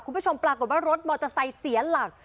คุณผู้ชมประกวัดว่ารถมอร์โต้ไซ่เสียหลัก